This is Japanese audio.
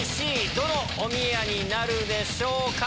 どのおみやになるでしょうか？